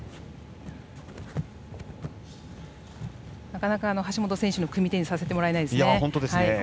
なかなか橋本選手の組み手にさせてもらえないですね。